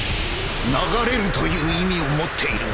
「流れる」という意味を持っている